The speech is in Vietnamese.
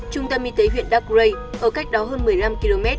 trung tâm y tế huyện darkray ở cách đó hơn một mươi năm km